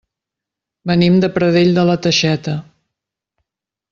Venim de Pradell de la Teixeta.